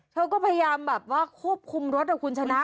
เธอก็พยายามแบบว่าควบคุมรถนะคุณชนะ